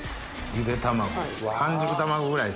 ゆで卵！